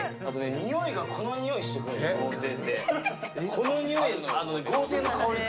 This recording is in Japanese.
においが、このにおいしてくるのよ豪邸って。